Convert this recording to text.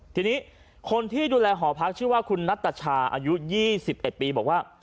ทีนี้คนที่ดูแลหอพักชื่อว่าคุณนัตชาอายุ๒๑ปีบอกว่า